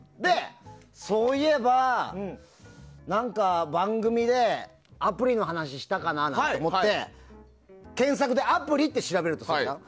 そういえば、何か番組でアプリの話したかなって思って検索でアプリって調べるとするじゃん。